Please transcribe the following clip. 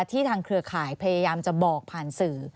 ทางเครือข่ายพยายามจะบอกผ่านสื่อ